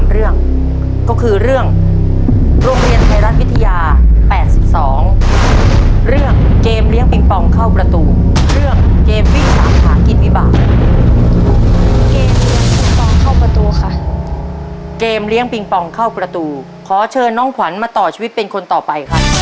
เรื่องนาตรยาศาบภาษฐธาหนูเรียนตั้งแต่ปศค่ะ